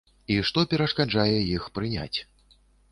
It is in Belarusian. І што перашкаджае іх прыняць?